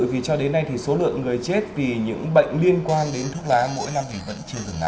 vì cho đến nay thì xin cảm ơn quý vị và các bạn